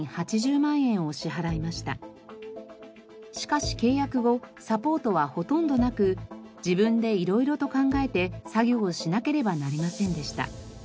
代金しかし契約後サポートはほとんどなく自分で色々と考えて作業をしなければなりませんでした。